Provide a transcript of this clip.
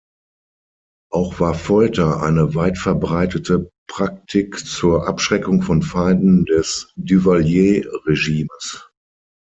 Auch war Folter eine weitverbreitete Praktik zur Abschreckung von Feinden des Duvalier-Regimes.